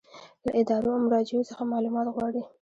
له ادارو او مراجعو څخه معلومات غواړي.